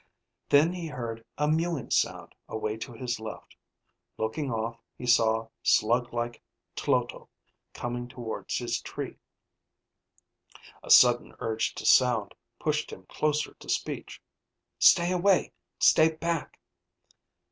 Then he heard a mewing sound away to his left. Looking off he saw slug like Tloto coming towards his tree. A sudden urge to sound pushed him closer to speech (_Stay away! Stay Back!